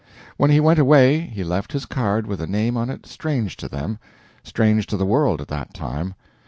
When he went away he left his card with a name on it strange to them strange to the world at that time.